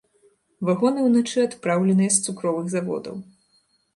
Вагоны ўначы адпраўленыя з цукровых заводаў.